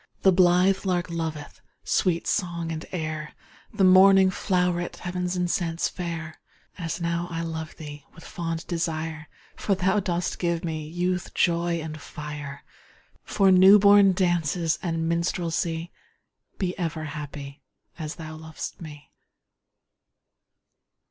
The blithe lark loveth Sweet song and air, The morning flow'ret Heav'n's incense fair, As I now love thee With fond desire, For thou dost give me Youth, joy, and fire, For new born dances And minstrelsy. Be ever happy, As thou lov'st me!